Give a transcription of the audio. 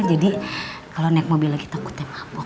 jadi kalau naik mobil lagi takut ya mabuk